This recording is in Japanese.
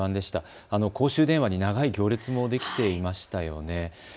公衆電話にも長い行列できていましたよね。